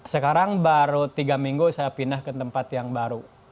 sekarang baru tiga minggu saya pindah ke tempat yang baru